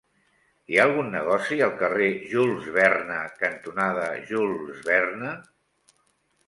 Hi ha algun negoci al carrer Jules Verne cantonada Jules Verne?